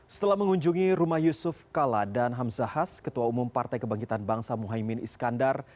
setelah mengunjungi rumah yusuf kala dan hamzahas ketua umum partai kebangkitan bangsa muhaymin iskandar